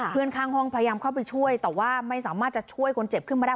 ข้างห้องพยายามเข้าไปช่วยแต่ว่าไม่สามารถจะช่วยคนเจ็บขึ้นมาได้